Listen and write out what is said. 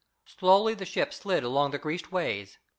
Slowly the ship slid along the greased ways.